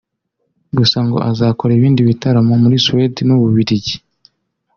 gusa ngo azanakora ibindi bitaramo muri Suwede n’ u Bubiligi